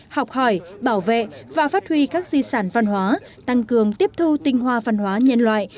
học hỏi bảo vệ và phát huy các di sản văn hóa tăng cường tiếp thu tinh hoa văn hóa nhân loại